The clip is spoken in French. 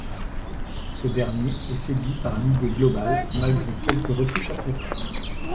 Ce dernier est séduit par l'idée globale, malgré quelques retouches à prévoir.